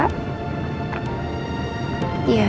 tapi kalau menurut saya bapak